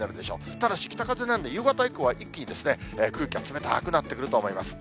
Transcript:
ただし北風なんで、夕方以降は一気に空気が冷たくなってくると思います。